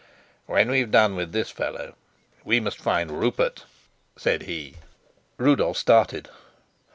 "When we've done with this fellow, we must find Rupert," said he. Rudolf started.